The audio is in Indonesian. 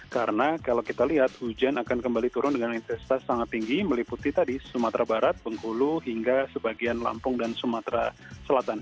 karena kalau kita lihat hujan akan kembali turun dengan intensitas sangat tinggi meliputi tadi sumatera barat bengkulu hingga sebagian lampung dan sumatera selatan